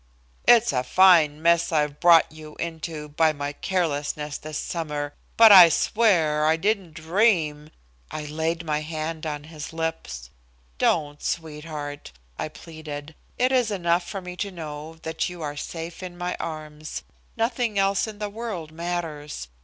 "It's a fine mess I've brought you into by my carelessness this summer, but I swear I didn't dream " I laid my hand on his lips. "Don't, sweetheart," I pleaded. "It is enough for me to know that you are safe in my arms. Nothing else in the world matters.